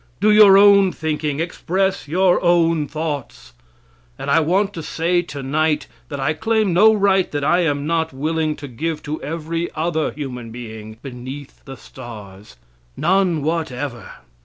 Do your own thinking; express your own thoughts." And I want to say tonight that I claim no right that I am not willing to give to every other human being beneath the stars none whatever.